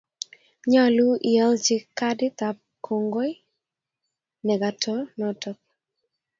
Nyolu ialchi kadit ab kongoi nekato notok